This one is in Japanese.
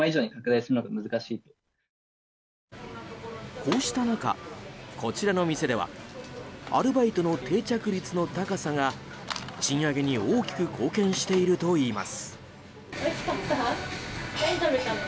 こうした中、こちらの店ではアルバイトの定着率の高さが賃上げに大きく貢献しているといいます。